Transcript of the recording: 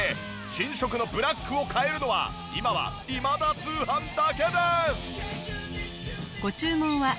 新色のブラックを買えるのは今は『今田通販』だけです。